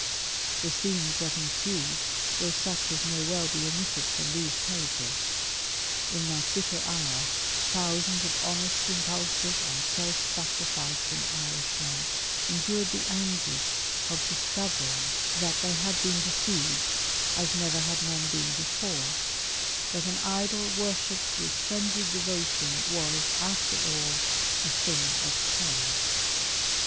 The scenes that ensued were such as may well be omitted from these pages. In that bitter hour thousands of honest impulsive, and self sacrificing Irish men endured the anguish of discovering that they had been 144 WAR OF ANTICHRIST WITH THE CHURCH. " deceived as never had men been before ; that an idol worshipped " with phrenzied devotion was, after all, a thing of clay."